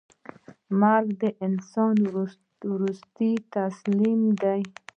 مرګ د انسان وروستۍ تسلیم ده.